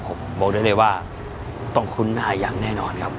ผมบอกได้เลยว่าต้องคุ้นหน้าอย่างแน่นอนครับ